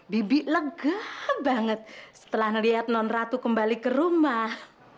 bibi lega banget setelah melihat non ratu kembali ke rumah